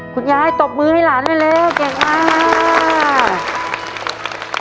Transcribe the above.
คุณยายตบมือให้หลานได้เลยเก่งมาก